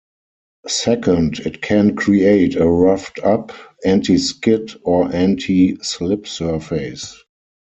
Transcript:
Second, it can create a roughed up, anti-skid or anti-slip surface.